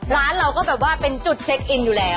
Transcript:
ร้านเราก็แบบว่าเป็นจุดเช็คอินอยู่แล้ว